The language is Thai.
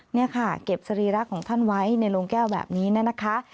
นี่ค่ะเก็บสรีระของท่านไว้ในโรงแก้วแบบนี้นะคะ